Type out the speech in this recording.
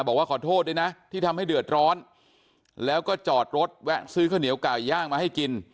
บอกว่าขอโทษด้วยนะที่ทำให้เดือดร้อนแล้วก็จอดรถแวะซื้อข้าวเหนียวไก่ย่างมาให้กิน